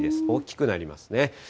大きくなりますね。